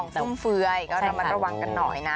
ของซุ่มเฟ้ยก็เรามาระวังกันหน่อยนะ